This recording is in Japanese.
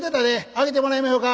上げてもらいまひょか」。